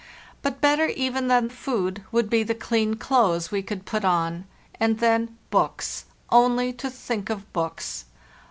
But better even than food would be the clean clothes we could put on. And then books—only to think of books!